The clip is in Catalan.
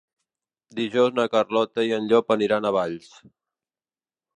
Dijous na Carlota i en Llop aniran a Valls.